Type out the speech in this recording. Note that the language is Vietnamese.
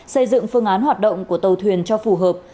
xây dựng phương án hoạt động của tàu thuyền cho phù hợp